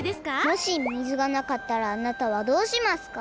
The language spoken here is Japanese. もし水がなかったらあなたはどうしますか？